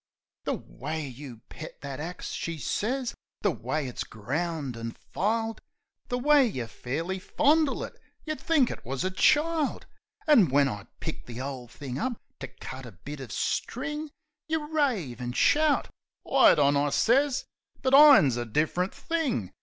"The way you pet that axe," she sez "the way it's ground an' filed, The way you fairly fondle it, you'd think it wus a child ! An' when I pick the ole thing up to cut a bit uv string Yeh rave an' shout ..." "Wait on," I sez. "But ir'n's a different thing.